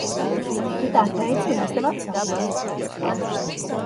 Tu tā teici, un es tev atsaucos!